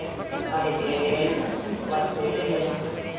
えっ起きながら手術してるってことですよね。